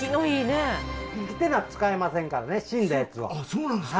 そうなんですか。